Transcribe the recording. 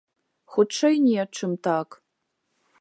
Хутчэй не, чым так.